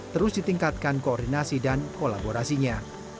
terus ditingkatkan koordinasi dan kolaborasinya